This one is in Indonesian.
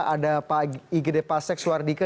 ada pak igd pasek suwardike